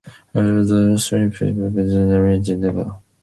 However, the Austrian People's Party retained a one-seat plurality.